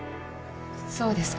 そうですか。